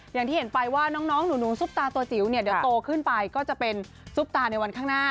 อย่างที่เห็นไปว่าน้องหนูซุปตาตัวจิ๋วเนี่ยเดี๋ยวโตขึ้นไปก็จะเป็นซุปตาในวันข้างหน้า